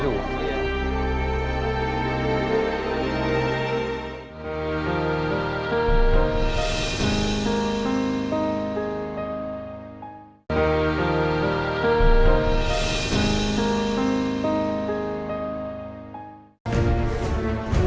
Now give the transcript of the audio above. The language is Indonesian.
nah jawabannya dari keb safari